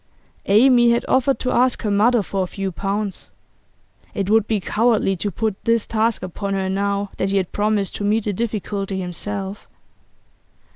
Amy had offered to ask her mother for a few pounds; it would be cowardly to put this task upon her now that he had promised to meet the difficulty himself.